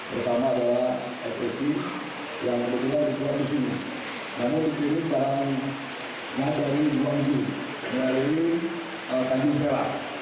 pertama adalah fpc yang berpilihan di jumat nisi karena dikirim banknya dari jumat nisi dari kandung kela